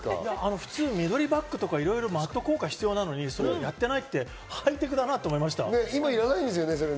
普通緑バックとか効果が必要なのに、それをやってないってハイテクだと思いました。